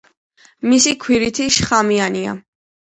მისი ქვირითი შხამიანია.